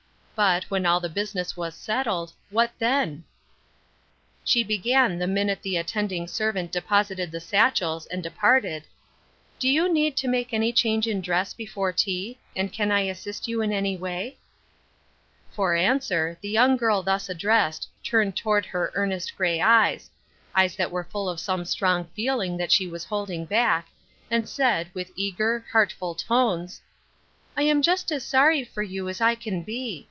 But, when all the business was settled, what then ? She began the minute the attending servant deposited the satchels, and departed : "Do you need to make any change in dress before tea, and can I assist you in any way ?" For answer, the young girl thus addressed turned toward her earnest gray eyes — eyes that were full of some strong feeling that she was holding back — and said, with eager, heartful tones :" I am just as sorry for you as I can be.